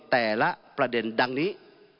แต่ละประเด็นดังนี้